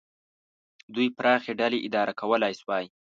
دوی پراخې ډلې اداره کولای شوای.